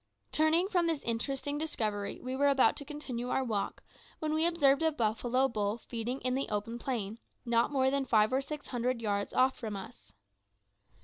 Turning from this interesting discovery, we were about to continue our walk, when we observed a buffalo bull feeding in the open plain, not more than five or six hundred yards off from us.